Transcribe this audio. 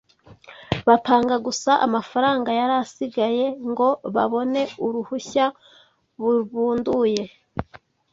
bapanga gusa amafaranga yari asigaye ngo babone uruhushya bubunduye